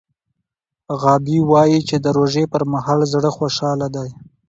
غابي وايي چې د روژې پر مهال زړه خوشحاله دی.